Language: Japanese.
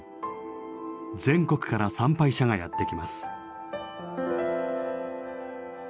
全国から参拝者がやって来ます。